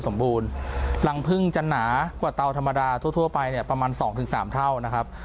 สมบูรณ์รังพึ่งจะนะกว่าเตาธรรมดาทั่วไปเนี่ยประมาณ๒๓เท่านะครับ